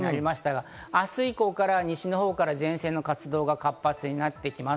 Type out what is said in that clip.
明日以降から西のほうから前線の活動が活発になってきます。